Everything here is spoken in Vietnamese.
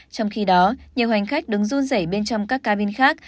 trong khi đó nhiều hành khách đứng run rể bên trong các cabin khác